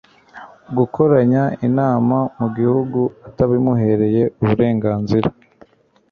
gukoranya inama mu gihugu atabimuhereye uburenganzira